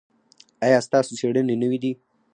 ایا ستاسو څیړنې نوې دي؟